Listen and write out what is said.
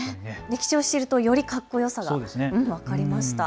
歴史を知るとよりかっこよさが分かりました。